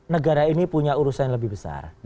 negara ini punya urusan lebih besar